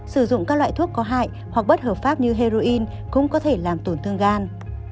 sử dụng các loại thuốc có hại hoặc bất hợp pháp như heroin cũng có thể làm tổn thương gan